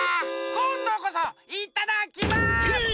こんどこそいただきま。